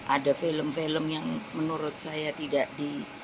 ada film film yang menurut saya tidak di